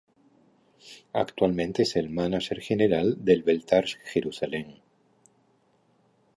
Actualmente es el mánager general del Beitar Jerusalem.